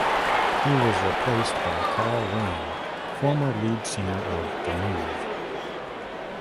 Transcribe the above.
He was replaced by Carl Wayne, former lead singer of The Move.